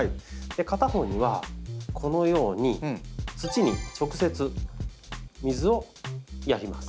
片方にはこのように土に直接水をやります。